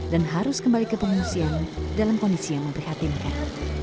dan harus kembali ke pengusian dalam kondisi yang memprihatinkan